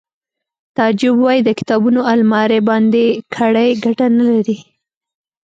تعجب وایی د کتابونو المارۍ بندې کړئ ګټه نلري